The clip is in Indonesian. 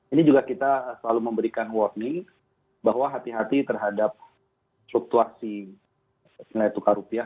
ini juga kita selalu memberikan warning bahwa hati hati terhadap fluktuasi nilai tukar rupiah